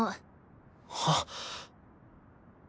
はっ。